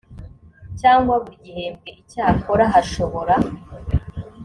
cyangwa buri gihembwe icyakora hashobora